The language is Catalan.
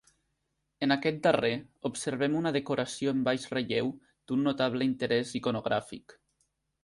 En aquest darrer observem una decoració en baix relleu d'un notable interès iconogràfic.